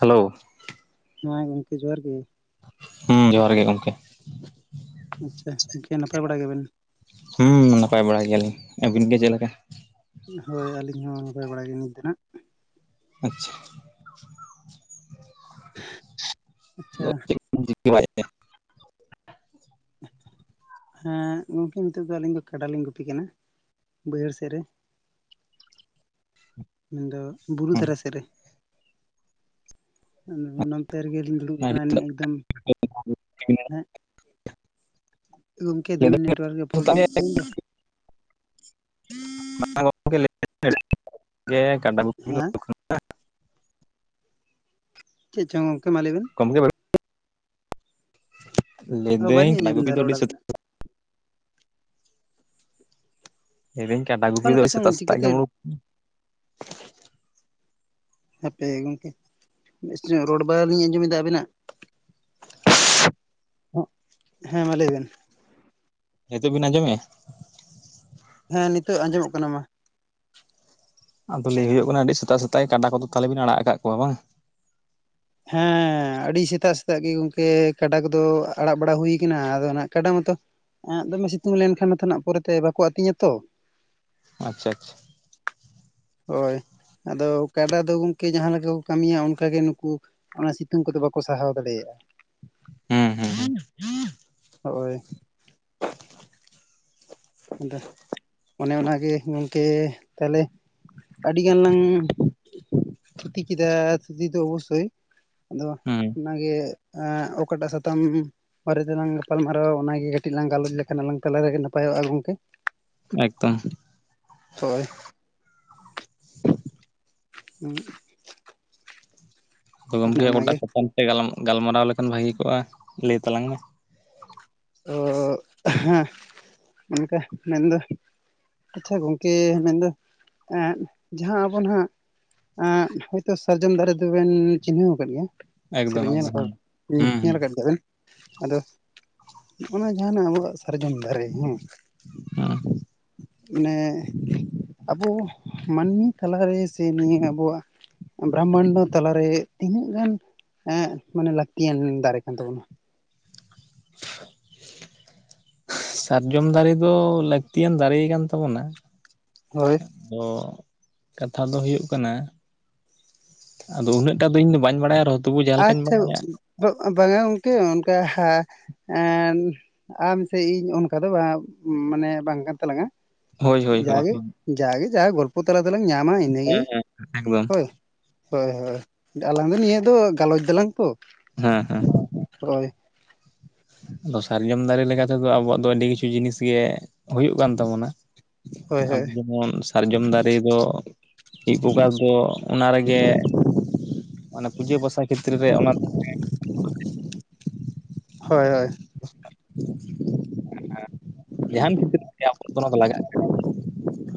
Hello. ᱦᱮᱸ ᱜᱚᱢᱠᱮ ᱡᱚᱦᱟᱨ ᱜᱮ ᱾ ᱦᱩᱸ ᱡᱚᱦᱟᱨ ᱜᱮ ᱜᱚᱝᱠᱮ ᱾ ᱟᱪᱪᱷᱟ ᱜᱚᱝᱠᱮ ᱱᱟᱯᱟᱭ ᱵᱟᱲᱟ ᱜᱮᱵᱮᱱ? ᱱᱟᱯᱟᱭ ᱵᱟᱲᱟᱭ ᱜᱮᱭᱟᱞᱤᱧ, ᱟᱹᱵᱤᱱ ᱜᱮ ᱪᱮᱫ ᱞᱮᱠᱟ? ᱦᱳᱭ ᱟᱹᱞᱤᱧ ᱦᱚᱸ ᱱᱟᱯᱟᱭ ᱵᱟᱲᱟᱭ ᱜᱮᱧ ᱱᱤᱛ ᱫᱚ ᱱᱟᱜ ᱾ ᱟᱪᱪᱷᱟ ᱾ ᱟᱪᱪᱷᱟ ᱪᱮᱫ ᱪᱤᱠᱟᱹ ᱵᱟᱭ [unintelligible] ᱦᱮᱸ ᱜᱚᱝᱠᱮ ᱱᱤᱛᱳᱜ ᱫᱚ ᱟᱹᱞᱤᱧ ᱫᱚ ᱠᱟᱰᱟ ᱞᱤᱧ ᱜᱩᱯᱤ ᱠᱟᱱᱟ ᱵᱟᱹᱭᱦᱟᱹᱲ ᱥᱮᱫ ᱨᱮ ᱾ ᱢᱮᱱ ᱫᱚ ᱵᱩᱨᱩ ᱫᱷᱟᱨᱟ ᱥᱮᱫ ᱨᱮ ᱾ ᱱᱚᱱᱛᱮ ᱨᱮᱜᱮ ᱞᱤᱧ ᱫᱩᱲᱩᱵ ᱟᱠᱟᱱᱟ ᱮᱠᱫᱚᱢ, ᱦᱮᱸ ᱜᱚᱢᱠᱮ ᱫᱚᱢᱮ ᱱᱮᱴᱣᱟᱨᱠ ᱮ ᱯᱨᱚᱵᱽᱞᱮᱢ ᱮᱫ ᱛᱟᱵᱤᱱ ᱫᱚ ᱾ ᱻ [unintelligible] ᱜᱚᱢᱠᱮ ᱠᱟᱰᱟ ᱜᱩᱯᱤ ᱦᱮᱸ [unintelligible] ᱪᱮᱫ ᱪᱚᱝ ᱜᱚᱝᱠᱮ ᱢᱟ ᱞᱟᱹᱭ ᱵᱮᱱ ᱾ ᱠᱚᱢ [unintelligible] ᱚ ᱞᱟᱹᱭᱫᱟᱹᱧ ᱵᱟᱹᱞᱤᱧ ᱠᱟᱰᱟ ᱟᱸᱡᱚᱢ ᱜᱩᱯᱤ ᱮᱫᱟ ᱫᱚ ᱨᱚᱲ ᱟᱹᱰᱤ ᱥᱟᱹᱛ [unintelligible] ᱟᱵᱤᱱᱟᱜ ᱞᱟᱹᱭ ᱫᱟᱹᱧᱠᱟᱰᱟ ᱚᱠᱟ ᱜᱩᱯᱤ ᱫᱚ ᱞᱮᱠᱟ ᱪᱚᱝ ᱥᱮᱛᱟᱜ ᱥᱮᱛᱟᱜ ᱪᱤᱠᱟᱹᱛᱮ ᱜᱮᱢ ᱩᱲᱩᱠ ᱦᱟᱯᱮ ᱜᱚᱢᱠᱮ ᱵᱮᱥ ᱧᱚᱜ ᱨᱚᱲ ᱵᱟᱝ ᱞᱤᱧ ᱟᱸᱡᱚᱢᱮᱫᱟ ᱟᱵᱤᱱᱟᱜ ᱾ ᱦᱮᱸ ᱢᱟ ᱞᱟᱹᱭ ᱵᱮᱱ ᱾ ᱱᱤᱛᱚᱜ ᱵᱤᱱ ᱟᱸᱡᱚᱢᱮᱜ-ᱟ? ᱦᱮᱸ ᱱᱤᱛᱚᱜ ᱟᱸᱡᱚᱢᱚᱜ ᱠᱟᱱᱟ ᱢᱟ ᱾ ᱟᱫᱚ ᱞᱟᱹᱭ ᱦᱩᱭᱩᱜ ᱠᱟᱱᱟ ᱟᱹᱰᱤ ᱥᱮᱛᱟᱜ ᱥᱮᱛᱟᱜ ᱠᱟᱰᱟ ᱠᱚᱫᱚ ᱛᱟᱦᱚᱞᱮ ᱵᱮᱱ ᱟᱲᱟᱜ ᱟᱠᱟᱫ ᱠᱚᱣᱟ ᱵᱟᱝ? ᱦᱮᱸ ᱟᱹᱰᱤ ᱥᱮᱛᱟᱜ ᱥᱮᱛᱟᱜ ᱜᱮ ᱜᱚᱝᱠᱮ ᱠᱟᱰᱟ ᱠᱚᱫᱚ ᱟᱲᱟᱜ ᱵᱟᱲᱟ ᱦᱩᱭ ᱠᱟᱱᱟ ᱟᱫᱚ ᱠᱟᱰᱟ ᱢᱟᱛᱚ ᱮᱸᱜ ᱫᱚᱢᱮ ᱥᱤᱛᱩᱝ ᱞᱮᱱᱠᱷᱟᱱ ᱢᱟᱛᱚ ᱱᱟᱜ ᱯᱚᱨᱮ ᱛᱮ ᱵᱟᱠᱚ ᱟᱹᱛᱤᱧᱟ ᱛᱚ ᱾ ᱟᱪᱪᱷᱟ ᱟᱪᱪᱷᱟ ᱾ ᱦᱳᱭ ᱟᱫᱚ ᱠᱟᱰᱟ ᱫᱚ ᱜᱚᱢᱠᱮ ᱡᱟᱦᱟᱸ ᱞᱮᱠᱟ ᱠᱚ ᱠᱟᱹᱢᱤᱭᱟ ᱚᱱᱠᱟᱜ ᱜᱮ ᱱᱩᱠᱩ ᱚᱱᱟ ᱥᱤᱛᱩᱝ ᱠᱚᱫᱚ ᱵᱟᱠᱚ ᱥᱟᱦᱟᱣ ᱫᱟᱲᱮᱭᱟᱜᱼᱟ ᱾ ᱦᱮᱸ ᱦᱮᱸ ᱾ ᱦᱳᱭ ᱾ ᱟᱫᱚ ᱚᱱᱮ ᱚᱱᱟ ᱜᱮ ᱜᱚᱢᱠᱮ ᱛᱟᱦᱚᱞᱮ ᱟᱹᱰᱤ ᱜᱟᱱ ᱞᱟᱝ ᱛᱷᱩᱛᱤ ᱠᱮᱫᱟ ᱛᱷᱩᱛᱤ ᱫᱚ ᱚᱵᱚᱥᱥᱳᱭ ᱾ ᱟᱫᱚ ᱦᱩᱸ ᱚᱱᱟᱜᱮ ᱚᱠᱟᱴᱟᱜ ᱥᱟᱛᱟᱢ ᱵᱟᱨᱮ ᱛᱮᱞᱟᱝ ᱜᱟᱯᱟᱞᱢᱟᱨᱟᱣᱟ ᱚᱱᱟᱜᱮ ᱠᱟᱹᱴᱤᱡ ᱞᱟᱝ ᱜᱟᱞᱚᱪ ᱞᱮᱠᱷᱟᱱ ᱟᱞᱟᱝ ᱛᱟᱞᱟ ᱨᱮᱜᱮ ᱱᱟᱯᱟᱭᱚᱜᱼᱟ ᱜᱚᱝᱠᱮ ᱾ ᱮᱠᱫᱚᱢ ᱾ ᱦᱳᱭ ᱾ ᱦᱩᱸ [unintelligible] ᱟᱫᱚ ᱚᱱᱮ ᱜᱚᱢᱠᱮ ᱚᱱᱟᱜᱮ ᱚᱠᱟᱴᱟᱜ ᱥᱟᱛᱟᱢ ᱛᱮ ᱜᱟᱞ ᱜᱟᱞᱢᱟᱨᱟᱣ ᱞᱮᱠᱷᱟᱱ ᱵᱷᱟᱹᱜᱤ ᱠᱚᱜᱼᱟ ᱞᱟᱹᱭ ᱛᱟᱞᱟᱝ ᱢᱮ ᱾ ᱚ ᱦᱮᱸ ᱚᱱᱠᱟ ᱢᱮᱱᱫᱚ ᱟᱪᱪᱷᱟ ᱜᱚᱝᱠᱮ ᱢᱮᱱᱫᱟ ᱮᱸᱜ ᱡᱟᱦᱟᱸ ᱟᱵᱚ ᱱᱟᱦᱱᱟᱜ ᱮᱸᱜ ᱦᱳᱭᱛᱳ ᱥᱟᱨᱡᱚᱢ ᱫᱟᱨᱮ ᱫᱚᱵᱮᱱ ᱪᱤᱱᱦᱟᱹᱣ ᱟᱠᱟᱫ ᱜᱮᱭᱟ ᱮᱠᱫᱚᱢ ᱾ ᱮᱠᱫᱚᱢ ᱦᱩᱸ ᱦᱩᱸ [unintelligible] ᱧᱮᱞ ᱟᱠᱟᱫ ᱜᱮᱭᱟ ᱵᱮᱱ ᱟᱫᱚ ᱱᱚᱜ ᱱᱚᱣᱟ ᱡᱟᱦᱟᱸ ᱱᱟᱜ ᱟᱵᱚᱣᱟᱜ ᱥᱟᱨᱡᱚᱢ ᱫᱟᱨᱮ ᱦᱮᱸ ᱾ ᱦᱮᱸ ᱢᱟᱱᱮ ᱟᱵᱚ ᱢᱟᱹᱱᱢᱤ ᱛᱟᱞᱟᱨᱮ ᱥᱮ ᱱᱤᱭᱟᱹ ᱟᱵᱚᱣᱟᱜ ᱵᱨᱟᱦᱢᱟᱱᱰᱚ ᱛᱟᱞᱟᱨᱮ ᱛᱤᱱᱟᱹᱜ ᱜᱟᱱ ᱮ ᱢᱟᱱᱮ ᱞᱟᱹᱠᱛᱤᱭᱟᱱ ᱫᱟᱨᱮ ᱠᱟᱱ ᱛᱟᱵᱚᱱᱟ ᱥᱟᱨᱡᱚᱢ ᱫᱟᱨᱮ ᱫᱚ ᱞᱟᱹᱠᱛᱤᱭᱟᱱ ᱫᱟᱨᱮ ᱠᱟᱱ ᱛᱟᱵᱚᱱᱟ ᱦᱳᱭ ᱟᱫᱚ ᱠᱟᱛᱷᱟ ᱫᱚ ᱦᱩᱭᱩᱜ ᱠᱟᱱᱟ ᱟᱫᱚ ᱩᱱᱟᱹᱜᱴᱟ ᱫᱚ ᱤᱧ ᱫᱚᱧ ᱵᱟᱲᱟᱭᱟ ᱨᱚᱸ ᱟᱪᱪᱷᱟ ᱵᱟᱝᱟ ᱜᱚᱝᱠᱮ ᱚᱱᱠᱟ ᱮ ᱟᱢᱥᱮ ᱤᱧ ᱚᱱᱠᱟ ᱫᱚ ᱵᱟᱝ ᱢᱟᱱᱮ ᱵᱟᱝ ᱠᱟᱱ ᱛᱟᱞᱟᱝᱟ ᱦᱳᱭ ᱦᱳᱭ ᱦᱳᱭ ᱡᱟᱜᱮ ᱦᱮᱸ ᱡᱟᱜᱮ ᱡᱟ ᱜᱚᱞᱯᱚ ᱛᱟᱞᱟ ᱫᱚᱞᱟᱝ ᱧᱟᱢᱟ ᱤᱱᱟᱹᱜᱮ ᱦᱮᱸ ᱮᱠᱫᱚᱢ ᱦᱳᱭ ᱦᱳᱭ ᱦᱳᱭ ᱟᱞᱟᱝ ᱫᱚ ᱱᱤᱭᱟᱹ ᱫᱚ ᱜᱟᱞᱚᱪ ᱫᱟᱞᱟᱝ ᱛᱚ ᱦᱮᱸ ᱦᱮᱸ ᱦᱳᱭ ᱟᱫᱚ ᱥᱟᱨᱡᱚᱢ ᱫᱟᱨᱮ ᱞᱮᱠᱟ ᱛᱮᱫᱚ ᱟᱵᱚᱣᱟᱜ ᱫᱚ ᱟᱹᱰᱤ ᱠᱤᱪᱷᱩ ᱡᱤᱱᱤᱥ ᱜᱮ ᱦᱩᱭᱩᱜ ᱠᱟᱱ ᱛᱟᱵᱚᱱᱟ ᱦᱳᱭ ᱦᱳᱭ ᱟᱵᱚ ᱡᱮᱢᱚᱱ ᱥᱟᱨᱡᱚᱢ ᱫᱟᱨᱮ ᱫᱚ ᱪᱤᱡ ᱵᱚᱠᱟ ᱫᱚ ᱚᱱᱟ ᱨᱮᱜᱮ ᱢᱟᱱᱮ ᱯᱩᱡᱟᱹ ᱯᱟᱥᱟ ᱠᱷᱮᱛᱨᱮ ᱨᱮ ᱚᱱᱟ ᱦᱳᱭ ᱦᱳᱭ ᱡᱟᱦᱟᱱ ᱠᱷᱮᱛᱨᱮ ᱛᱮ ᱟᱵᱚᱨᱚ ᱚᱱᱟ ᱠᱚ ᱞᱟᱜᱟᱜ ᱠᱟᱱᱟ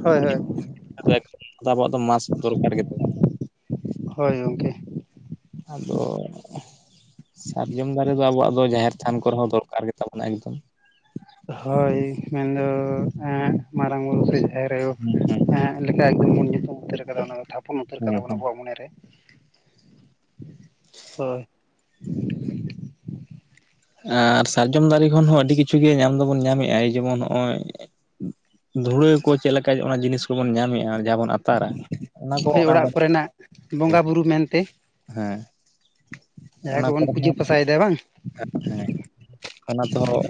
ᱦᱳᱭ ᱦᱳᱭ ᱟᱵᱚᱣᱟᱜ ᱫᱚ ᱢᱟᱥᱠ ᱫᱚᱨᱠᱟᱨ ᱜᱮ ᱛᱟᱵᱚᱱᱟ ᱦᱳᱭ ᱜᱚᱢᱠᱮ ᱟᱫᱚ ᱥᱟᱨᱡᱚᱢ ᱫᱟᱨᱮ ᱫᱚ ᱟᱵᱚᱣᱟᱜ ᱫᱚ ᱡᱟᱦᱮᱨ ᱛᱷᱟᱱ ᱠᱚᱨᱮ ᱦᱚᱸ ᱫᱚᱨᱠᱟᱨ ᱜᱮᱛᱟᱵᱚᱱᱟ ᱮᱠᱫᱚᱢ ᱦᱳᱭ ᱢᱮᱱᱫᱚ ᱢᱟᱨᱟᱝ ᱵᱩᱨᱩ ᱥᱮ ᱡᱟᱦᱮᱨ ᱟᱭᱳ ᱦᱮᱸ ᱦᱮᱸ ᱞᱮᱠᱟᱵᱚᱢ ᱵᱚᱱ ᱧᱩᱛᱩᱢ ᱩᱛᱟᱹᱨᱫᱟ ᱛᱷᱟᱯᱚᱱ ᱩᱛᱟᱹᱨ ᱦᱮᱸ ᱦᱮᱸ ᱟᱵᱚᱣᱟᱜ ᱢᱚᱱᱮᱨᱮ ᱦᱳᱭ ᱟᱨ ᱥᱟᱨᱡᱚᱢ ᱫᱟᱨᱮ ᱠᱷᱚᱱ ᱦᱚᱸ ᱟᱹᱰᱤ ᱠᱤᱪᱷᱩ ᱜᱮ ᱧᱟᱢ ᱫᱚᱵᱚᱱ ᱧᱟᱢᱮᱜᱼᱟ ᱡᱮᱢᱚᱱ ᱱᱚᱜᱼᱚᱭ ᱫᱷᱩᱲᱟᱹ ᱠᱚ ᱪᱮᱫᱠᱟ ᱚᱱᱟ ᱡᱤᱱᱤᱥ ᱠᱚᱵᱚᱱ ᱧᱟᱢᱮᱫᱼᱟ ᱡᱟᱦᱟᱸ ᱵᱚᱱ ᱟᱛ ᱦᱳᱭ ᱚᱲᱟᱜ ᱠᱚᱨᱮᱱᱟᱜ ᱵᱚᱸᱜᱟᱼᱵᱩᱨᱩ ᱢᱮᱱᱛᱮ ᱦᱮᱸ ᱡᱟᱦᱟᱸᱭ ᱚᱱᱟ ᱠᱚᱵᱚᱱ ᱠᱚᱨᱮ ᱦᱚᱸ ᱯᱩᱡᱟᱹ ᱯᱟᱥᱟᱭᱮᱫᱟ ᱵᱟᱝ ᱦᱮᱸ ᱚᱱᱟ ᱛᱮᱦᱚᱸ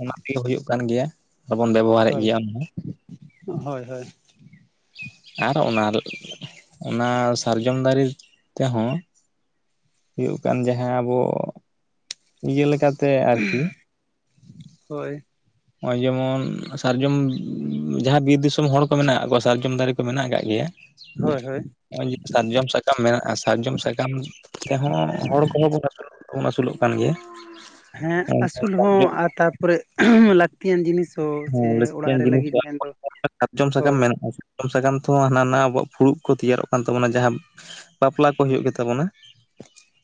ᱚᱱᱟ ᱛᱮᱜᱮ ᱦᱩᱭᱩᱜ ᱠᱟᱱ ᱜᱮᱭᱟ ᱟᱨᱵᱚᱱ ᱵᱮᱵᱚᱦᱟᱨᱮᱫ ᱦᱳᱭ ᱜᱮᱭᱟ ᱚᱱᱟ ᱦᱚᱸ ᱦᱳᱭ [inaudible] ᱟᱨ ᱚᱱᱟ ᱚᱱᱟ ᱥᱟᱨᱡᱚᱢ ᱫᱟᱨᱮ ᱛᱮᱦᱚᱸ ᱦᱩᱭᱩᱜ ᱠᱟᱱ ᱡᱟᱦᱟᱸ ᱟᱵᱚ ᱤᱭᱟᱹ ᱞᱮᱠᱟᱛᱮ ᱟᱨᱠᱤ ᱦᱳᱭ ᱱᱚᱜᱼᱚᱭ ᱡᱮᱢᱚᱱ ᱥᱟᱨᱡᱚᱢ ᱡᱟᱦᱟᱸ ᱵᱤᱨ ᱫᱤᱥᱚᱢ ᱦᱚᱲ ᱠᱚ ᱢᱮᱱᱟᱜ ᱠᱫ ᱠᱚᱣᱟ ᱥᱟᱨᱡᱚᱢ ᱫᱟᱨᱮ ᱠᱚ ᱢᱮᱱᱟᱜ ᱟᱠᱟᱫ ᱜᱮᱭᱟ ᱦᱳᱭ ᱦᱳᱭ [unintelligible] ᱥᱟᱨᱡᱚᱢ ᱥᱟᱠᱟᱢ ᱢᱮᱱᱟᱜᱼᱟ ᱥᱟᱨᱡᱚᱢ ᱥᱟᱠᱟᱢ ᱛᱮᱦᱚᱸ ᱦᱚᱲ ᱠᱚᱦᱚᱸ ᱵᱚᱱ ᱵᱚᱱ ᱟᱹᱥᱩᱞᱚᱜ ᱠᱟᱱ ᱜᱮᱭᱟ ᱦᱮᱸ ᱟᱹᱥᱩᱞ ᱦᱚᱸ ᱥᱟᱨᱡᱚᱢ ᱟᱨ ᱛᱟᱨᱯᱚᱨᱮ ᱞᱠ ᱞᱟᱹᱠᱛᱤᱭᱟᱱ ᱡᱤᱱᱤᱥ ᱦᱚᱸ ᱥᱮ ᱦᱮᱸ ᱚᱲᱟᱜ ᱞᱟᱹᱠᱛᱤᱭᱟᱱ ᱨᱮ ᱡᱤᱱᱤᱥ ᱞᱟᱹᱜᱤᱫ ᱢᱮᱱᱫᱚ ᱦᱳᱭ ᱥᱟᱨᱚᱢ ᱥᱟᱠᱟᱢ ᱛᱮᱦᱚᱸ ᱦᱟᱱᱟ ᱟᱵᱚᱣᱟᱜ ᱯᱷᱩᱲᱩᱜ ᱠᱚ ᱛᱮᱭᱟᱨᱚᱜ ᱠᱟᱱ ᱛᱟᱵᱚᱱᱟ ᱡᱟᱦᱟᱸ ᱵᱟᱯᱞᱟ ᱠᱚ ᱦᱳᱳ ᱜᱮᱛᱟᱵᱚᱱᱟ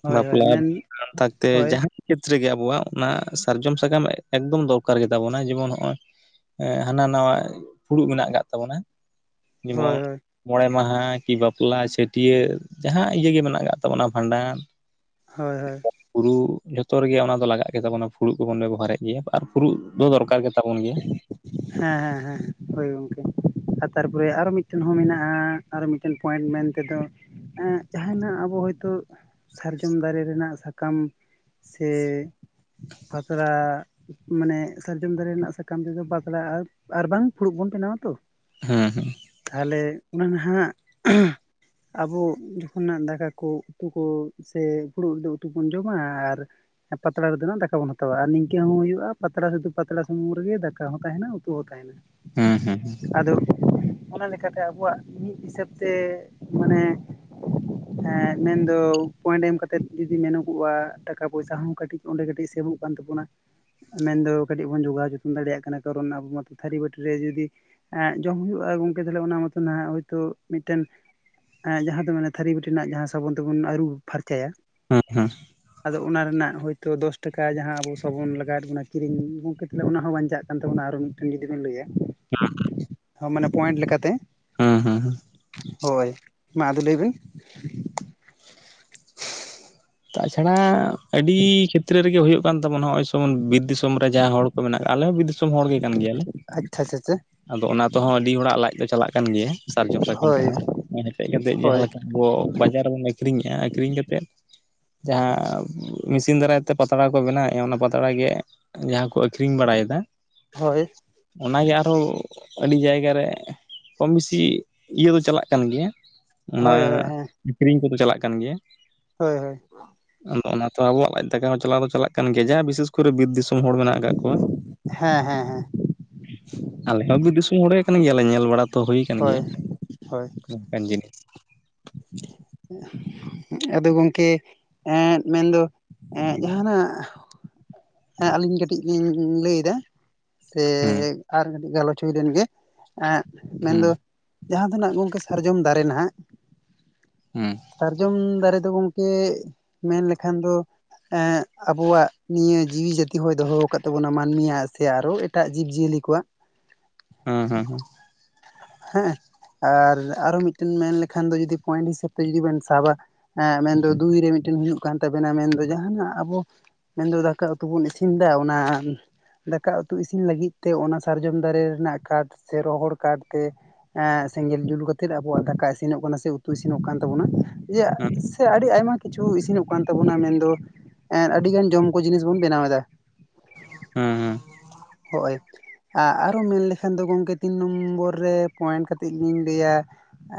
ᱦᱳᱭ ᱦᱳᱭ ᱵᱟᱯᱞᱟ ᱢᱮᱱ ᱛᱮ ᱦᱳᱭ ᱡᱟᱦᱟᱸ ᱠᱷᱮᱛᱨᱮ ᱜᱮᱮ ᱟᱵᱚᱣᱟᱜ ᱚᱱᱟ ᱥᱟᱨᱡᱚᱢ ᱥᱟᱠᱟᱢ ᱮᱠᱫᱚᱢ ᱫᱚᱨᱠᱟᱨ ᱜᱮᱛᱟᱵᱚᱱᱟ ᱡᱮᱢᱚᱱ ᱱᱚᱜᱼᱚᱭ ᱦᱟᱱᱟ ᱱᱟ ᱯᱷᱩᱲᱩᱜ ᱢᱮᱱᱟᱜ ᱟᱠᱟᱫ ᱛᱟᱵᱚᱱᱟ ᱡᱮᱢᱚᱱ ᱦᱳᱭ ᱦᱳᱭ ᱢᱚᱬᱮ ᱢᱟᱦᱟ ᱠᱤ ᱵᱟᱯᱞᱟ ᱪᱷᱟᱹᱴᱭᱟᱹᱨ ᱡᱟᱦᱟᱸ ᱤᱭᱟᱹᱮ ᱢᱮᱱᱟᱜ ᱠᱫ ᱛᱟᱵᱚᱱᱟ ᱵᱷᱟᱸᱰᱟᱱ ᱦᱳᱭ ᱦᱳᱭ ᱯᱷᱩᱲᱩᱜ ᱡᱷᱚᱛᱚ ᱨᱮᱜᱮ ᱚᱱᱟ ᱫᱚ ᱞᱟᱜᱟᱜ ᱜᱮᱛᱟᱵᱚᱱᱟ ᱯᱷᱩᱲᱩᱜ ᱠᱚᱵᱚᱱ ᱵᱮᱵᱚᱦᱟᱨᱮᱫ ᱜᱮᱭᱟ ᱟᱨ ᱯᱷᱩᱲᱩᱜ ᱫᱚ ᱫᱚᱨᱠᱟᱨ ᱜᱮᱛᱟ ᱯᱚᱱ ᱜᱮᱭᱟ ᱦᱮᱸ ᱦᱮᱸ ᱦᱮᱸ ᱦᱳᱭ ᱜᱚᱢᱠᱮ ᱟᱨ ᱛᱟᱨᱯᱚᱨᱮ ᱟᱨᱚ ᱢᱤᱫᱴᱮᱱ ᱦᱚᱸ ᱢᱮᱱᱟᱜᱼᱟ ᱟᱨᱚ ᱢᱤᱫᱴᱮᱱ ᱯᱚᱭᱮᱱᱴ ᱢᱮᱱ ᱛᱮᱫᱚ ᱮ ᱡᱟᱦᱟᱸᱭᱱᱟᱜ ᱟᱵᱚ ᱦᱚᱭᱛᱳ ᱥᱟᱨᱡᱚᱢ ᱫᱟᱨᱮ ᱨᱮᱱᱟᱜ ᱥᱟᱠᱟᱢ ᱥᱮ ᱯᱟᱛᱲᱟ ᱢᱟᱱᱮ ᱥᱟᱨᱡᱚᱢ ᱫᱟᱨᱮ ᱨᱮᱱᱟᱜ ᱠᱟᱢ ᱛᱮᱫᱚ ᱯᱟᱛᱲᱟ ᱟᱨ ᱵᱟᱝ ᱯᱷᱩᱲᱩᱜ ᱵᱚᱱ ᱵᱮᱱᱟᱣᱟ ᱛᱚ ᱦᱮᱸ ᱦᱮᱸ ᱛᱟᱦᱚᱞᱮ ᱚᱱᱟ ᱱᱟᱦᱟᱸᱜ ᱟᱵᱚ ᱡᱚᱠᱷᱚᱱᱟᱜ ᱫᱟᱠᱟ ᱠᱚ ᱩᱛᱩ ᱠᱚ ᱥᱮ ᱯᱷᱩᱲᱩᱜ ᱨᱮᱫᱚ ᱩᱛᱩ ᱵᱚᱱ ᱡᱚᱢᱟ ᱟᱨ ᱯᱟᱛᱲᱟ ᱨᱮᱫᱚ ᱱᱟᱜ ᱫᱟᱠᱟ ᱵᱚᱱ ᱦᱟᱛᱟᱣᱟ ᱟᱨ ᱱᱤᱝᱠᱟᱹ ᱦᱚᱸ ᱦᱩᱭᱩᱜᱼᱟ ᱯᱟᱛᱲᱟ ᱥᱩᱫᱷᱩ ᱯᱟᱛᱲᱟ ᱥᱩᱢᱩᱝ ᱨᱮ ᱜᱮ ᱫᱟᱠᱟ ᱦᱚᱸ ᱛᱟᱦᱮᱱᱟ ᱩᱛᱩ ᱦᱚᱸ ᱛᱟᱦᱮᱱᱟ ᱦᱩᱸ ᱦᱩᱸ ᱟᱫᱚ ᱚᱱᱟ ᱞᱮᱠᱟᱛᱮ ᱟᱵᱚᱣᱟᱜ ᱢᱤᱫ ᱦᱤᱥᱟᱹᱵᱽ ᱛᱮ ᱢᱟᱱᱮ ᱦᱮᱸ ᱢᱮᱱᱫᱚ ᱯᱚᱭᱮᱱᱴ ᱮᱢ ᱠᱟᱛᱮᱫ ᱡᱩᱫᱤ ᱢᱮᱱᱚᱜᱚᱜᱼᱟ ᱴᱟᱠᱟ ᱯᱚᱭᱥᱟ ᱦᱚᱸ ᱠᱟᱹᱴᱤᱡ ᱚᱸᱰᱮ ᱠᱟᱹᱴᱤᱡ ᱥᱮᱵᱚᱜ ᱠᱟᱱ ᱛᱟᱵᱚᱱᱟ ᱢᱮᱱᱫᱚ ᱠᱟᱹᱴᱤᱡ ᱵᱚᱱ ᱡᱚᱜᱟᱣ ᱡᱚᱛ ᱫᱟᱲᱮᱭᱟᱜ ᱠᱟᱱᱟ ᱠᱟᱨᱚᱱ ᱟᱵᱚ ᱢᱟ ᱛᱷᱟᱹᱨᱤ ᱵᱟᱹᱴᱤ ᱨᱮ ᱡᱩᱫᱤ ᱮᱸᱜ ᱡᱚᱢ ᱦᱩᱭᱩᱜᱼᱟ ᱜᱚᱝᱠᱮ ᱛᱟᱦᱞᱮ ᱚᱱᱟ ᱢᱚᱛᱚᱭᱛᱳ ᱢᱤᱫᱴᱮᱱ ᱮᱸᱜ ᱡᱟᱦᱟᱸ ᱫᱚ ᱢᱟᱱᱮ ᱛᱷᱟᱹᱨᱤ ᱵᱟᱹᱴᱤ ᱨᱮᱱᱟᱜ ᱡᱟᱦᱟᱸ ᱥᱟᱵᱚᱱ ᱛᱮᱵᱚᱱ ᱟᱹᱨᱩ ᱯᱷᱟᱨᱪᱟᱭᱟ ᱦᱮᱸ ᱦᱮᱸ ᱟᱫᱚ ᱚᱱᱟ ᱨᱮᱱᱟᱜ ᱦᱳᱭᱛᱳ ᱫᱚᱥ ᱴᱟᱠᱟ ᱡᱟᱦᱟᱸ ᱟᱵᱚ ᱥᱟᱵᱚᱱ ᱞᱟᱜᱟᱣᱮᱫ ᱵᱚᱱᱟ ᱠᱤᱨᱤᱧ ᱜᱚᱝᱠᱮ [unintelligible] ᱚᱱᱟ ᱦᱚᱸ ᱵᱟᱧᱪᱟᱜ ᱠᱟᱱ ᱛᱟᱵᱚᱱᱟ ᱟᱨᱚ ᱢᱤᱫᱴᱮᱱ ᱡᱩᱫᱤ ᱵᱮᱱ ᱞᱟᱹᱭᱟ ᱢᱟᱱᱮ ᱯᱚᱭᱮᱱᱴ ᱞᱮᱠᱟᱛᱮ ᱦᱩᱸ ᱦᱩᱸ ᱦᱩᱸ ᱦᱳᱭ ᱢᱟ ᱟᱫᱚ ᱞᱟᱹᱭ ᱵᱤᱱ ᱛᱟᱪᱷᱟᱲᱟ ᱟᱹᱰᱤ ᱠᱷᱮᱛᱨᱮ ᱨᱮᱜᱮ ᱦᱩᱭᱩᱜ ᱠᱟᱱ ᱛᱟᱵᱚᱱᱟ ᱱᱚᱜᱼᱚᱭ ᱥᱚᱢᱚᱱ ᱵᱤᱨ ᱫᱤᱥᱚᱢ ᱨᱮ ᱡᱟᱦᱟᱸᱭ ᱦᱚᱲ ᱟᱞᱮ ᱦᱚᱸ ᱵᱤᱨ ᱫᱤᱥᱚᱢ ᱦᱚᱲᱜᱮ ᱠᱟᱱ ᱜᱮᱭᱟᱞᱮ ᱟᱪᱪᱷᱟ ᱟᱪᱪᱷᱟ ᱟᱪᱪᱷᱟ ᱟᱫᱚ ᱚᱱᱟ ᱛᱮᱦᱚᱸ ᱟᱹᱰᱤ ᱦᱚᱲᱟᱜ ᱞᱟᱡ ᱫᱚ ᱪᱟᱞᱟᱜ ᱠᱟᱱᱟ ᱠᱟᱱ ᱜᱮᱭᱟ ᱥᱟᱨᱡᱚᱢ ᱥᱟᱠᱟᱢ ᱦᱳᱭ ᱠᱚᱦᱚᱸ ᱦᱮᱴᱮᱡ ᱠᱟᱛᱮ ᱡᱟᱦᱟᱸ ᱦᱳᱭ ᱞᱮᱠᱟ ᱟᱵᱚ ᱵᱟᱡᱟᱨ ᱨᱮᱵᱚᱱ ᱟᱹᱠᱷᱨᱤᱧᱮᱜᱼᱟ ᱟᱹᱠᱷᱨᱤᱧ ᱠᱟᱛᱮᱫ ᱡᱟᱦᱟᱸ ᱢᱮᱥᱤᱱ ᱫᱟᱨᱟᱭ ᱛᱮ ᱯᱟᱛᱲᱟ ᱠᱚ ᱵᱮᱱᱟᱣᱮᱫᱼᱟ ᱚᱱᱟ ᱯᱟᱛᱲᱟ ᱜᱮ ᱡᱟᱦᱟᱸᱠᱩ ᱟᱹᱠᱷᱨᱤᱧ ᱵᱟᱲᱟᱭᱮᱫᱟ ᱦᱳᱭ ᱚᱱᱟᱜᱮ ᱟᱨᱦᱚᱸ ᱟᱹᱰᱤ ᱡᱟᱭᱜᱟ ᱨᱮ ᱠᱚᱢ ᱵᱮᱥᱤ ᱤᱭᱟᱹ ᱫᱚ ᱪᱟᱞᱟᱜ ᱠᱟᱱ ᱜᱮᱭᱟ ᱚᱱᱟ ᱦᱳᱭ ᱦᱳᱭ ᱦᱮᱸ ᱟᱠᱠᱷᱨᱤᱧ ᱠᱚᱫᱚ ᱪᱟᱞᱟᱜ ᱠᱟᱱ ᱜᱮᱭᱟ ᱦᱳᱭ ᱦᱳᱭ ᱟᱫᱚ ᱚᱱᱟ ᱛᱚ ᱟᱵᱚᱣᱟᱜ ᱞᱟᱡ ᱫᱟᱠᱟ ᱦᱚᱸ ᱪᱟᱞᱟᱣ ᱫᱚ ᱪᱟᱞᱟᱜ ᱠᱟᱱ ᱜᱮᱭᱟ ᱡᱟᱦᱟᱸ ᱵᱤᱥᱮᱥ ᱠᱚᱨᱮ ᱵᱤᱨ ᱫᱤᱥᱚᱢ ᱯᱨᱚᱛᱚᱢ ᱦᱚᱲ ᱢᱮᱱᱟᱜ ᱠᱟᱜ ᱠᱚᱣᱟ ᱦᱮᱸ ᱦᱮᱸ ᱦᱮᱸ ᱟᱞᱮ ᱦᱚᱸ ᱵᱤᱨ ᱫᱤᱥᱚᱢ ᱦᱚᱲᱮ ᱠᱟᱱ ᱜᱮᱭᱟᱞᱮ ᱧᱮᱞ ᱵᱟᱲᱟ ᱛᱚ ᱦᱩᱭ ᱠᱟᱱ ᱦᱳᱭ ᱜᱮᱭᱟ ᱦᱳᱭ ᱠᱟᱱ ᱡᱤᱱᱤᱥ [inaudible] ᱟᱫᱚ ᱜᱚᱢᱠᱮ ᱮ ᱢᱮᱱᱫᱚ ᱡᱟᱦᱟᱱᱟᱜ ᱦᱮᱸ ᱟᱹᱞᱤᱧ ᱠᱟᱹᱴᱤᱡ ᱞᱤᱧ ᱞᱟᱹᱭ ᱮᱫᱟ ᱥᱮ ᱦᱩᱸ ᱟᱨ ᱠᱟᱹᱴᱤᱡ ᱜᱟᱞᱚᱪ ᱦᱩᱭ ᱞᱮᱱ ᱜᱮ ᱮᱜ ᱦᱩᱸ ᱢᱮᱱᱫᱚ ᱡᱟᱦᱟᱸ ᱛᱤᱱᱟᱹᱜ ᱱᱚᱝᱠᱟ ᱥᱟᱨᱡᱚᱢ ᱫᱟᱨᱮ ᱱᱟᱦᱟᱸᱜ ᱦᱮᱸ ᱥᱟᱨᱡᱚᱢ ᱫᱟᱨᱮ ᱫᱚ ᱜᱚᱝᱠᱮ ᱢᱮᱱ ᱞᱮᱠᱷᱟᱱ ᱫᱚ ᱟᱵᱚᱣᱟᱜ ᱱᱤᱭᱟᱹ ᱡᱤᱣᱤ ᱡᱟᱹᱛᱤ ᱦᱚᱭ ᱫᱚᱦᱚ ᱟᱠᱟᱫ ᱛᱟᱵᱚᱱᱟ ᱢᱟᱹᱱᱢᱤᱭᱟᱜ ᱥᱮ ᱟᱨᱚ ᱮᱴᱟᱜ ᱡᱤᱵᱽᱡᱤᱭᱟᱹᱞᱤ ᱠᱚᱣᱟᱜ ᱦᱩᱸ ᱦᱩᱸ ᱦᱩᱸ ᱦᱮᱸ ᱟᱨ ᱟᱨᱚ ᱢᱤᱫ ᱴᱮᱱ ᱢᱮᱱ ᱞᱮᱠᱷᱟᱱ ᱫᱚ ᱡᱚᱫᱤ ᱯᱚᱭᱮᱱᱴ ᱦᱤᱥᱟᱹᱵᱽ ᱛᱮ ᱡᱚᱫᱤ ᱵᱮᱱ ᱥᱟᱵᱟ ᱮᱸ ᱢᱮᱱᱫᱚ ᱫᱩᱭ ᱨᱮ ᱢᱤᱫ ᱴᱮᱱ ᱦᱩᱭᱩᱜ ᱠᱟᱱ ᱛᱟᱵᱮᱱᱟ ᱢᱮᱱᱫᱚ ᱡᱟᱦᱟᱱᱟᱜ ᱟᱵᱚ ᱢᱮᱱᱫᱚ ᱫᱟᱠᱟ ᱩᱛᱩ ᱵᱚᱱ ᱤᱥᱤᱱ ᱮᱫᱟ ᱚᱱᱟ ᱫᱟᱠᱟ ᱩᱛᱩ ᱤᱥᱤᱱ ᱞᱟᱹᱜᱤᱫ ᱛᱮ ᱚᱱᱟ ᱥᱟᱨᱡᱚᱢ ᱫᱟᱨᱮ ᱨᱮᱱᱟᱜ ᱠᱟᱴ ᱥᱮ ᱨᱚᱦᱚᱲ ᱠᱟᱴᱛᱮᱸ ᱥᱮᱸᱜᱮᱞ ᱡᱩᱞ ᱠᱟᱛᱮ ᱫ ᱟᱵᱚᱣᱟᱜ ᱫᱟᱠᱟ ᱤᱥᱤᱱᱚᱜ ᱠᱟᱱᱟ ᱥᱮ ᱩᱛᱩ ᱤᱥᱤᱱᱚᱜ ᱠᱟᱱ ᱛᱟᱵᱚᱱᱟ᱾ ᱤᱭᱟ ᱥᱮ ᱟᱹᱰᱤ ᱟᱭᱢᱟ ᱠᱤᱪᱷᱩ ᱤᱥᱤᱱᱚᱜ ᱠᱟᱱ ᱛᱟᱵᱚᱱᱟ ᱢᱮᱱᱫᱚ ᱮ ᱟᱹᱰᱤ ᱜᱟᱱ ᱡᱚᱢ ᱠᱚ ᱡᱤᱱᱤᱥ ᱵᱚᱱ ᱵᱮᱱᱟᱣ ᱮᱫᱟ᱾ ᱦᱩᱸ ᱦᱩᱸ ᱦᱳᱭ ᱟᱨᱚ ᱢᱮᱱᱞᱮᱠᱷᱟᱱ ᱫᱚ ᱜᱚᱝᱠᱮ ᱛᱤᱱ ᱱᱚ ᱱᱚᱢᱵᱚᱨ ᱨᱮ ᱯᱚᱭᱮᱱᱴ ᱠᱟᱛᱮᱫ ᱞᱤᱧ ᱞᱟᱹᱭᱟ᱾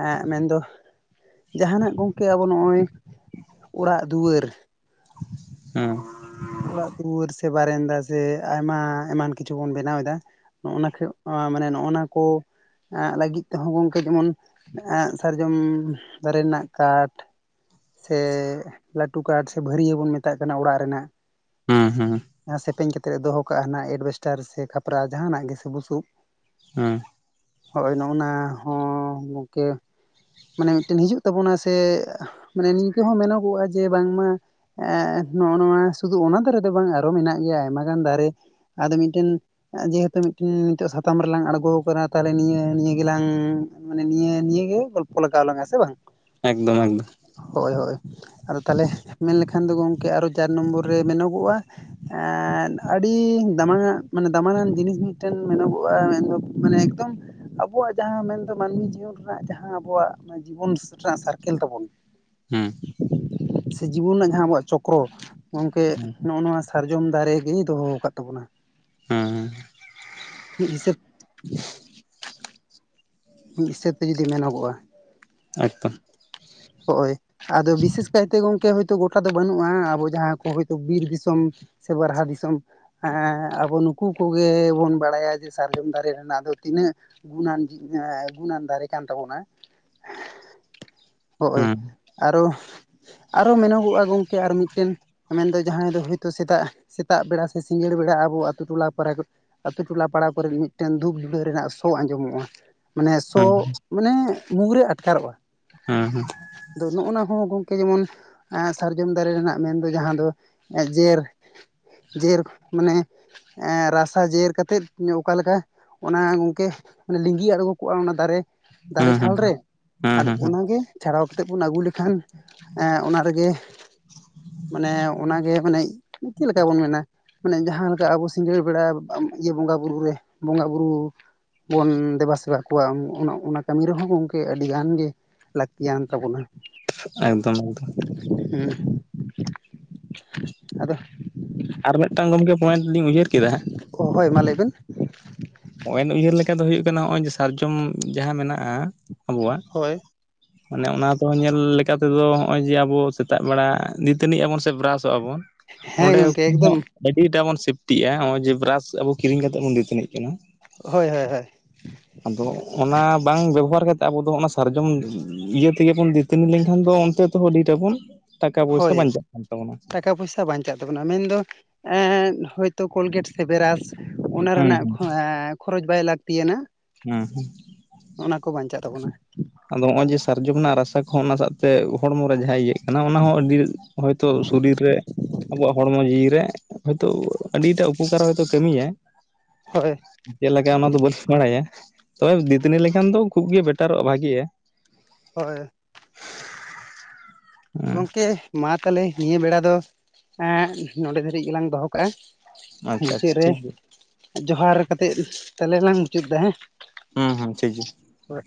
ᱮᱜ ᱢᱮᱱᱫᱚ ᱡᱟᱦᱟᱱᱟᱜ ᱜᱚᱝᱠᱮ ᱟᱵᱚ ᱱᱚᱜᱼᱚᱭ ᱚᱲᱟᱜ ᱫᱩᱣᱟᱹᱨ ᱾ ᱦᱮᱸ ᱚᱲᱟᱜ ᱫᱩᱣᱟᱹᱨ ᱥᱮ ᱵᱟᱨᱮᱱᱫᱟ ᱥᱮ ᱟᱭᱢᱟ ᱮᱢᱟᱱ ᱠᱤᱪᱷᱩ ᱵᱚᱱ ᱵᱮᱱᱟᱣ ᱮᱫᱟ᱾ ᱱᱚᱜᱼᱚ ᱱᱟ ᱢᱟᱱᱮ ᱱᱚᱜᱼᱚ ᱱᱟ ᱠᱚ ᱞᱟᱹᱜᱤᱫ ᱛᱮᱦᱚᱸ ᱜᱚᱝᱠᱮ ᱡᱮᱢᱚᱱ ᱥᱟᱨᱡᱚᱢ ᱫᱟᱨᱮ ᱨᱮᱱᱟᱜ ᱠᱟᱴ ᱥᱮ ᱞᱟᱹᱴᱩ ᱠᱟᱴ ᱥᱮ ᱵᱷᱟᱹᱨᱭᱟᱹ ᱵᱚᱱ ᱢᱮᱛᱟᱜ ᱠᱟᱱᱟ ᱚᱲᱟᱜ ᱨᱮᱱᱟᱜ᱾ ᱦᱩᱸ ᱦᱩᱸ ᱡᱟᱦᱟᱸ ᱥᱮᱯᱮᱧ ᱠᱟ ᱠᱟᱛᱮᱫ ᱫᱚᱦᱚ ᱠᱟᱜᱼᱟ ᱱᱟᱜ ᱮᱰᱵᱮᱥᱴᱟᱨ ᱥᱮ ᱠᱷᱟᱯᱨᱟ ᱡᱟᱦᱟᱱᱟᱜ ᱜᱮᱥᱮ ᱵᱩᱥᱩᱵ᱾ ᱦᱮᱸ ᱦᱚᱳᱭ ᱱᱚᱜᱱᱟ ᱦᱚᱸ ᱜᱚᱝᱠᱮ ᱢᱟᱱᱮ ᱢᱤᱫ ᱴᱮᱱ ᱦᱤᱡᱩᱜ ᱛᱟᱵᱚᱱᱟ ᱥᱮ ᱢᱟᱱᱮ ᱱᱤᱝᱠᱟᱹ ᱦᱚᱸ ᱢᱮᱱᱚᱜᱚᱜᱼᱟ ᱡᱮ ᱵᱟᱝᱢᱟ᱾ ᱮ ᱱᱚᱜᱼᱚ ᱱᱚᱣᱟ ᱥᱩᱫᱷᱩ ᱚᱱᱟ ᱫᱟᱨᱮ ᱫᱚ ᱵᱟᱝ ᱟᱨᱚ ᱢᱮᱱᱟᱜ ᱜᱮᱭᱟ ᱟᱭᱢᱟ ᱜᱟᱱ ᱫᱟᱨᱮ ᱟᱫᱚ ᱢᱤᱫ ᱴᱮᱱ ᱡᱮᱦᱮᱛᱩ ᱢᱤᱫᱴᱤᱱ ᱱᱤᱛᱚᱜ ᱥᱟᱛᱟᱢ ᱨᱮᱞᱟᱝ ᱟᱬᱜᱚ ᱠᱟᱱᱟ ᱛᱟᱦᱞᱮ ᱱᱤᱭᱟᱹ ᱱᱤᱭᱟᱹ ᱜᱮᱞᱟᱝ ᱢᱟᱱᱮ ᱱᱤᱭ ᱱᱤᱭ ᱜᱮ ᱜᱚᱞᱯᱚ ᱞᱟᱜᱟᱣ ᱟᱞᱟᱝ ᱟ ᱥᱮ ᱵᱟᱝ? ᱮᱠᱫᱚᱢ ᱮᱠᱫᱚᱢ᱾ ᱦᱳᱭ ᱦᱳᱭ ᱟᱫᱚ ᱛᱟᱦᱚᱞᱮ ᱢᱮᱱ ᱞᱮᱠᱷᱟᱱ ᱫᱚ ᱜᱚᱝᱠᱮ ᱟᱨᱚ ᱪᱟᱨ ᱱᱚᱢᱵᱚᱨ ᱨᱮ ᱢᱮᱱᱚᱜᱚᱜᱼᱟ᱾ ᱮᱸ ᱟᱹᱰᱤ ᱫᱟᱢᱟᱱᱟᱱ ᱢᱟᱱᱮ ᱫᱟᱢᱟᱱᱟᱱ ᱡᱤᱱᱤᱥ ᱢᱤᱫ ᱴᱮᱱ ᱢᱮᱱᱚᱜᱼᱟ ᱢᱮᱱᱫᱚ᱾ ᱢᱟᱱᱮ ᱮᱠᱫᱚᱢ ᱟᱵᱚᱣᱟᱜ ᱡᱟᱦᱟᱸ ᱢᱮᱱᱫᱚ ᱢᱟᱹᱱᱢᱤ ᱡᱤᱭᱚᱱ ᱨᱮᱱᱟᱜ ᱡᱟᱦᱟᱸ᱾ ᱟᱵᱚᱣᱟᱜ ᱡᱤᱵᱚᱱ ᱨᱮᱱᱟᱜ ᱥᱟᱨᱠᱮᱞ ᱛᱟᱵᱚᱱ᱾ ᱦᱮᱸ ᱥᱮ ᱡᱤᱵᱚᱱ ᱨᱮᱱᱟᱜ ᱡᱟᱦᱟᱸ ᱟᱵᱚᱣᱟᱜ ᱪᱚᱠᱨᱚ ᱜᱚᱝᱠᱮ ᱦᱩᱸ ᱱᱚᱭᱼᱚᱭ ᱱᱚᱣᱟ ᱥᱟᱨᱡᱚᱢ ᱫᱟᱨᱮ ᱜᱤ ᱫᱚᱦᱚ ᱟᱠᱟᱫ ᱛᱟᱵᱚᱱᱟ᱾ ᱦᱮᱸ [unintelligible] ᱢᱤᱫ ᱦᱤᱥᱟᱹᱵᱽᱛᱮ ᱡᱩᱫᱤ ᱢᱮᱱᱚᱜᱚᱜᱼᱟ᱾ ᱮᱠᱫᱚᱢ᱾ ᱦᱚᱼᱚᱭ ᱟᱫᱚ ᱵᱤᱥᱮᱥ ᱠᱟᱭᱛᱮ ᱜᱚᱝᱠᱮ ᱳ ᱜᱳᱴᱟ ᱫᱚ ᱵᱟᱹᱱᱩᱜᱼᱟ ᱟᱵᱚ ᱡᱟᱦᱟᱸ ᱠᱚ ᱦᱳᱭᱛᱳ ᱵᱤᱨ ᱫᱤᱥᱚᱢ ᱥᱮ ᱵᱟᱨᱦᱟ ᱫᱤᱥᱚᱢ ᱦᱮᱸ ᱟᱵᱚ ᱱᱩᱠᱩ ᱠᱚᱜᱮ ᱵᱚᱱ ᱵᱟᱲᱟᱭᱟ ᱡᱮ ᱥᱟᱨᱡᱚᱢ ᱫᱟᱨᱮ ᱨᱮᱱᱟᱜ ᱫᱚ ᱛᱤᱱᱟᱹᱜ ᱜᱩᱱᱟᱱ ᱡᱤᱱᱟ ᱜᱩᱱᱟᱱ ᱫᱟᱨᱮ ᱠᱟᱱ ᱛᱟᱵᱚᱱᱟ᱾ ᱦᱚᱳᱼᱭ ᱦᱩᱸ ᱟᱨᱚ ᱟᱨᱚ ᱢᱮᱱᱚᱜᱚᱜᱼᱟ ᱜᱚᱝᱠᱮ ᱟᱨ ᱢᱤᱫᱴᱮᱱ ᱢᱮᱱᱫᱚ ᱡᱟᱦᱟᱸᱭ ᱫᱚ ᱦᱳᱭᱛᱳ ᱥᱮᱛᱟᱜ ᱥᱮᱛᱟᱜ ᱵᱮᱲᱟ ᱥᱮ ᱥᱤᱸᱜᱟᱹᱲ ᱵᱮᱲᱟ ᱟᱵᱚ ᱟᱹᱛᱩ ᱴᱚᱞᱟ ᱯᱚᱨᱟ ᱟᱹᱛᱩ ᱴᱚᱞᱟ ᱯᱟᱲᱟ ᱠᱚᱨᱮ ᱢᱤᱫ ᱴᱮᱱ ᱫᱷᱩᱯ ᱡᱩᱲᱟᱹᱣ ᱨᱮᱱᱟᱜ ᱥᱚ ᱟᱸᱡᱚᱢᱚᱜᱼᱟ᱾ ᱢᱟᱱᱮ ᱥᱚ ᱦᱩᱸ ᱢᱟᱱᱮ ᱢᱩ ᱨᱮ ᱟᱴᱠᱟᱨᱚᱜᱼᱟ᱾ ᱦᱮᱸ ᱦᱮᱸ ᱟᱫᱚ ᱱᱚᱜ ᱱᱚᱣᱟ ᱦᱚᱸ ᱜᱚᱝᱠᱮ ᱡᱮᱢᱚᱱ ᱮᱸ ᱥᱟᱨᱡᱚᱢ ᱫᱟᱨᱮ ᱨᱮᱱᱟᱜ ᱢᱮᱱᱫᱚ ᱡᱟᱦᱟᱸ ᱫᱚ ᱡᱮᱨ ᱡᱮᱨᱠ ᱢᱟᱱᱮ ᱨᱟᱥᱟ ᱡᱮᱨ ᱠᱟᱛᱮᱫ ᱚᱠᱟᱞᱮᱠᱟ ᱚᱱᱟ ᱜᱚᱝᱠᱮ ᱞᱤᱸᱜᱤ ᱟᱬᱜᱳ ᱠᱚᱜᱼᱟ ᱚᱱᱟ ᱫᱟᱨᱮ᱾ ᱫᱟᱨᱮ ᱦᱩᱸ ᱦᱩᱸ ᱪᱷᱟᱞ ᱨᱮ ᱦᱩᱸ ᱦᱩᱸ ᱟᱫᱚ ᱦᱩᱸ ᱚᱱᱟᱜ ᱜᱮ ᱪᱷᱟᱲᱟᱣ ᱠᱟᱛᱮ ᱵᱚᱱ ᱟᱹᱜᱩ ᱞᱮᱠᱷᱟᱱ᱾ ᱮᱸ ᱚᱱᱟ ᱨᱮᱜᱮ ᱢᱟᱱᱮ ᱚᱱᱟᱜᱮ ᱢᱟᱱᱮ ᱪᱮᱫᱞᱮᱠᱟ ᱵᱚᱱ ᱢᱮᱱᱟ᱾ ᱢᱟᱱᱮ ᱡᱟᱦᱟ ᱞᱮᱠᱟ ᱟᱵᱚ ᱥᱤᱸᱜᱟᱹᱲ ᱵᱮᱲᱟ ᱤᱭᱟᱹ ᱵᱚᱸᱜᱟ ᱵᱩᱨᱩ ᱨᱮ ᱵᱚᱸᱜᱟ ᱵᱩᱨᱩ ᱵᱚᱱ ᱫᱮᱵᱟ ᱥᱮᱵᱟ ᱠᱚᱣᱟ ᱚᱱᱟ ᱚᱱᱟ ᱠᱟᱹᱢᱤ ᱨᱮᱦᱚᱸ ᱜᱚᱝᱠᱮ ᱟᱹᱰᱤ ᱜᱟᱱ ᱜᱮ ᱜᱮᱭᱟᱱ ᱛᱟᱵᱚᱱᱟ᱾ ᱮᱠᱫᱚᱢ ᱮᱠᱫᱚᱢ᱾ ᱦᱮᱸ ᱟᱫᱚ ᱟᱨ ᱢᱤᱫᱴᱟᱝ ᱜᱚᱢᱠᱮ ᱯᱚᱭᱮᱱᱴ ᱞᱤᱧ ᱩᱭᱦᱟᱹᱨ ᱠᱮᱫᱟ ᱦᱟᱸᱜ ᱚ ᱦᱳᱭ ᱢᱟ ᱞᱟᱹᱭᱵᱮᱱ ᱯᱚᱭᱮᱱᱴ ᱩᱭᱦᱟᱹᱨ ᱞᱮᱠᱟ ᱫᱚ ᱦᱩᱭᱩᱜ ᱠᱟᱱᱟ ᱱᱚᱜᱼᱚᱭ ᱡᱮ ᱥᱟᱨᱡᱚᱢ ᱡᱟᱦᱟᱸ ᱢᱮᱱᱟᱜᱼᱟ ᱟᱵᱚᱣᱟᱜ ᱦᱳᱭ ᱢᱟᱱᱮ ᱚᱱᱟ ᱫᱚ ᱧᱮᱞ ᱞᱮᱠᱟ ᱛᱮᱫᱚ ᱦᱚᱜᱼᱚᱭ ᱡᱮ ᱟᱵᱚ ᱥᱮᱛᱟᱜ ᱵᱮᱲᱟ ᱫᱟᱹᱛᱟᱹᱱᱤ ᱟᱵᱚᱱ ᱥᱮ ᱵᱨᱟᱥᱚᱜ ᱟᱵᱚᱱ ᱦᱮᱸ ᱚᱸᱰᱮ ᱜᱚᱝᱠᱮ ᱮᱠᱫᱚᱢ [unintelligible] ᱟᱹᱰᱤ ᱴᱟᱜ ᱵᱚᱱ ᱥᱮᱯᱴᱤᱜᱼᱟ ᱦᱚᱜ ᱚᱭ ᱡᱮ ᱵᱮᱨᱟᱥ ᱟᱵᱚ ᱠᱤᱨᱤᱧ ᱠᱟᱛᱮ ᱵᱚᱱ ᱫᱟᱹᱛᱟᱹᱱᱤᱜ ᱠᱟᱱᱟ ᱾ ᱦᱳᱭ ᱦᱳᱭ ᱦᱳᱭ ᱾ ᱟᱫᱚ ᱚᱱᱟ ᱵᱟᱝ ᱵᱮᱵᱚᱦᱟᱨ ᱠᱟᱛᱮᱫ ᱟᱵᱚ ᱫᱚ ᱚᱱᱟ ᱥᱟᱨᱡᱚᱢ ᱤᱭᱟᱹ ᱛᱮᱜᱮ ᱵᱚᱱ ᱫᱟᱹᱛᱟᱹᱱᱤ ᱞᱮᱱᱠᱷᱟᱱ ᱫᱚ ᱚᱱᱛᱮ ᱛᱮᱦᱚᱸ ᱟᱹᱰᱤ ᱴᱟ ᱵᱚᱱ ᱴᱟᱠᱟ ᱯᱚᱭᱥᱟ ᱵᱟᱧᱪᱟᱜ ᱠᱟᱱ ᱛᱟᱵᱚᱱᱟ ᱾ ᱠᱟ ᱯᱚᱭᱥᱟ ᱵᱟᱧᱼᱼ ᱵᱟᱧᱪᱟᱜ ᱛᱟᱵᱚᱱᱟ ᱢᱮᱱᱫᱚ ᱦᱚᱭᱛᱳ ᱠᱳᱞᱜᱮᱴ ᱥᱮ ᱵᱮᱨᱟᱥ ᱚᱱᱟ ᱦᱩᱸ ᱨᱮᱱᱟᱜ ᱦᱩᱸ ᱠᱷᱚᱨᱚᱪ ᱵᱟᱭ ᱞᱟᱹᱠᱛᱤᱭᱟᱱᱟ ᱾ ᱦᱮᱸ ᱦᱮᱸ ᱚᱱᱟ ᱠᱚ ᱵᱟᱧᱪᱟᱜ ᱛᱟᱵᱚᱱᱟ ᱟᱫᱚ ᱦᱚᱜᱼᱚᱭ ᱡᱮ ᱥᱟᱨᱡᱚᱢ ᱨᱮᱱᱟᱜ ᱨᱟᱥᱟ ᱠᱚᱦᱚᱸ ᱚᱱᱟ ᱥᱟᱜ ᱛᱮ ᱦᱚᱲᱢᱚ ᱨᱮ ᱡᱟᱦᱟᱸ ᱤᱭᱟᱹᱜ ᱚᱱᱟ ᱦᱚᱸ ᱟᱹᱰᱤ ᱦᱚᱭᱛᱚ ᱥᱚᱨᱤᱨ ᱨᱮ ᱟᱵᱚᱣᱟᱜ ᱦᱚᱲᱢᱚ ᱡᱤᱣᱤ ᱨᱮ ᱦᱳᱭᱛᱳ ᱟᱹᱰᱤᱴᱟᱜ ᱩᱯᱚᱠᱟᱨ ᱦᱚᱭᱛᱳ ᱠᱟᱢᱤᱭᱟᱭ ᱦᱳᱭ ᱪᱮᱫ ᱞᱮᱠᱟ ᱚᱱᱟ ᱫᱚ ᱵᱟᱹᱞᱤᱧ ᱵᱟᱲᱟᱭᱟ ᱛᱚᱵᱮ ᱫᱟᱹᱛᱟᱹᱱᱤ ᱞᱮᱠᱷᱟᱱ ᱫᱚ ᱠᱷᱩᱵ ᱜᱮ ᱵᱮᱴᱟᱨᱚᱜᱼᱟ ᱵᱷᱟᱜᱮᱭᱟ᱾ ᱦᱳᱭ ᱦᱮᱸ ᱜᱚᱝᱠᱮ ᱢᱟ ᱛᱟᱦᱚᱞᱮ ᱱᱤᱭᱟᱹ ᱵᱮᱲᱟ ᱫᱚ ᱮᱸᱜ ᱱᱚᱰᱮ ᱫᱷᱟᱹᱨᱤᱡ ᱜᱮᱞᱟᱝ ᱫᱚᱦᱚ ᱠᱟᱜᱼᱟ᱾ ᱟᱪᱪᱷᱟ ᱟᱪᱪᱷᱟ ᱢᱩᱪᱟᱹᱫ ᱨᱮ ᱴᱷᱤᱠ ᱜᱮᱭᱟ ᱡᱚᱦᱟᱨ ᱠᱟᱛᱮᱫ ᱛᱟᱦᱞᱮ ᱞᱟᱝ ᱢᱩᱪᱟᱹᱫ ᱫᱟ ᱦᱮᱸ᱾ ᱦᱩᱸ ᱦᱩᱸ ᱴᱷᱤᱠ ᱜᱮ ᱦᱳᱭ